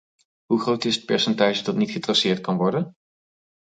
Hoe groot is het percentage dat niet getraceerd kan worden?